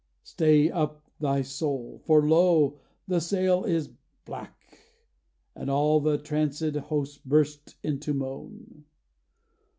Stay up thy soul: for lo! the sail is black.' And all the trancèd host burst into moan.